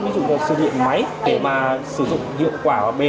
ví dụ như là sưu điện máy để mà sử dụng hiệu quả và bền